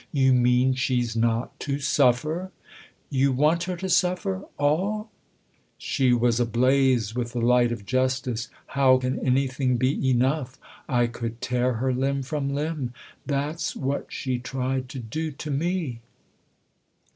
" You mean she's not to suffer ?"" You want her to suffer all ?" She was ablaze with the light of justice. " How can anything be enough ? I could tear her limb from limb. That's what she tried to do to me